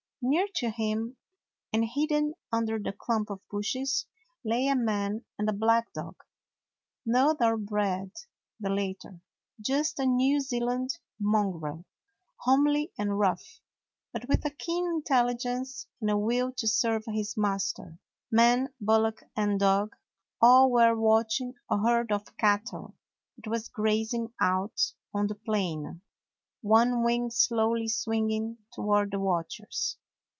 Near to him, and hidden under the clump of bushes, lay a man and a black dog: no thoroughbred, the latter — just a New Zea land mongrel, homely and rough, but with a keen intelligence and a will to serve his master. Man, bullock, and dog — all were watching a herd of cattle that was grazing out on the plain, one wing slowly swinging toward the watchers.